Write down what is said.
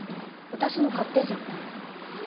私の勝手じゃん。